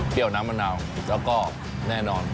เปรี้ยวน้ำมะนาวแล้วก็แน่นอน